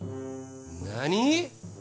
何！？